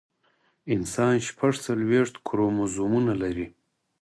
انسان شپږ څلوېښت کروموزومونه لري